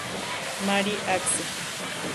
Mary Axe.